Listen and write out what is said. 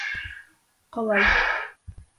Ҡолай.